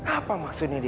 apa maksudnya dia